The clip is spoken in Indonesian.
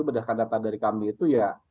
berdasarkan data dari kami itu ya